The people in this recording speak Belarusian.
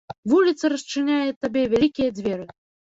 Вуліца расчыняе табе вялікія дзверы.